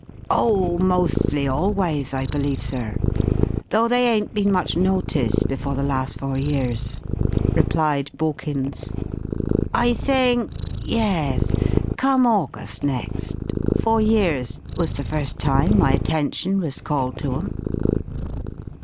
"Oh, mostly always, I believe, sir; though they ain't been much noticed before the last four years," replied Borkins. "I think yes come August next. Four years was the first time my attention was called to 'em."